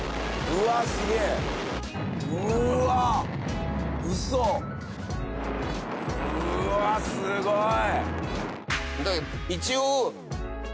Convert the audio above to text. うわすごい！